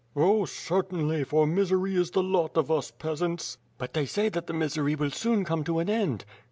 "Oh, certainly, for misery is the lot of us peasants." "But they say that the misery will soon come to an end."